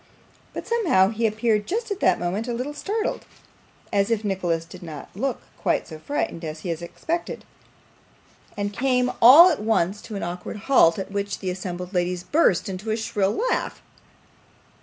But somehow he appeared just at that moment a little startled, as if Nicholas did not look quite so frightened as he had expected, and came all at once to an awkward halt, at which the assembled ladies burst into a shrill laugh.